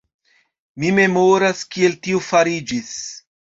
Mi memoras, kiel tio fariĝis.